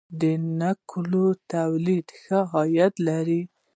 د نیالګیو تولید ښه عاید لري؟